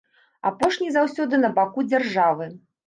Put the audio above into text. Апошні заўсёды на баку дзяржавы.